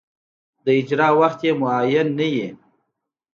د اجرا وخت یې معین نه وي.